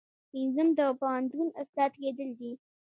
پنځم د پوهنتون استاد کیدل دي.